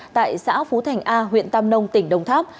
tại xã phú thành a huyện tam nông tỉnh đồng tháp